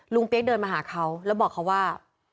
เปี๊ยกเดินมาหาเขาแล้วบอกเขาว่า